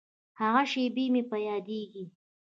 هغه شېبې مې په یادیږي.